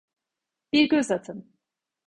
Bir göz atın.